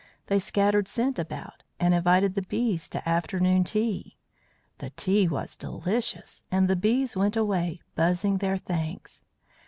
They scattered scent about, and invited the bees to afternoon tea. The tea was delicious, and the bees went away, buzzing their thanks.